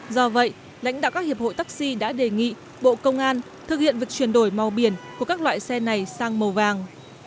do vậy lãnh đạo các hiệp hội taxi đã đề nghị bộ công an thực hiện việc chuyển đổi màu biển của các loại xe này sang màu vàng